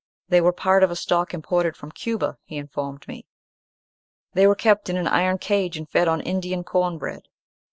They were part of a stock imported from Cuba, he informed me. They were kept in an iron cage, and fed on Indian corn bread.